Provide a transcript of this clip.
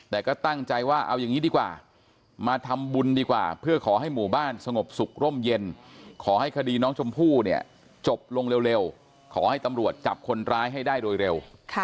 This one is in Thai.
แต่ก็ตั้งใจว่าเอาอย่างนี้ดีกว่ามาทำบุญดีกว่าเพื่อขอให้หมู่บ้านสงบสุขร่มเย็นขอให้คดีน้องชมพู่เนี่ยจบลงเร็วขอให้ตำรวจจับคนร้ายให้ได้โดยเร็ว